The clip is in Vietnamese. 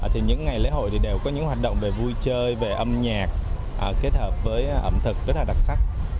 thì những ngày lễ hội thì đều có những hoạt động về vui chơi về âm nhạc kết hợp với ẩm thực rất là đặc sắc